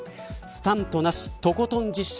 スタントなし、とことん実写。